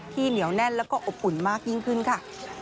เหนียวแน่นแล้วก็อบอุ่นมากยิ่งขึ้นค่ะ